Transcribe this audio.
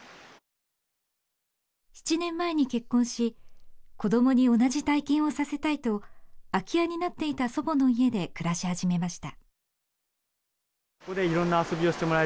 ７年前に結婚し子供に同じ体験をさせたいと空き家になっていた祖母の家で暮らし始めました。